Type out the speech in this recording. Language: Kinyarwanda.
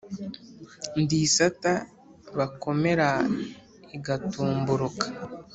ndi isata bakomera igatumburuka